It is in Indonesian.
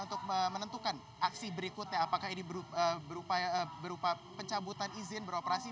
untuk menentukan aksi berikutnya apakah ini berupa pencabutan izin beroperasi